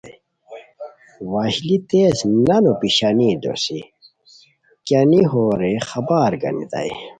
وشلی تیز نانو پیشانی دوسی کیانی ہو رے خبر گانیتائے